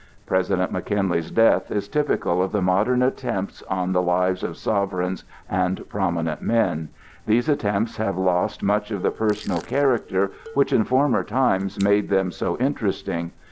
President McKinley's death is typical of the modern attempts on the lives of sovereigns and prominent men. These attempts have lost much of the personal character which in former times made them so interesting.